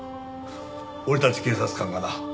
俺たち警察官がな。